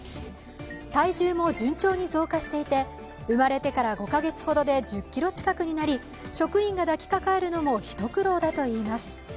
体重も順調に増加していて、生まれてから５カ月ほどで１０ｋｇ近くになり職員が抱きかかえるのも一苦労だといいます。